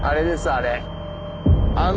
あれ。